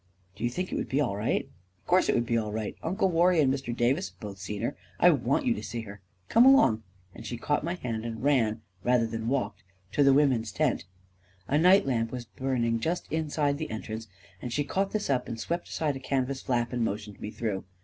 " Do you think it would be all right ?"" Of course it would be all right. Uncle Warrie and Mr. Davis have both seen her. I want you to see her. Come along/' and she caught my hand and ran, rather than walked, to the women's tent. A night lamp was burning just inside the entrance, and she caught this up, and swept aside a canvas flap, and motioned me through.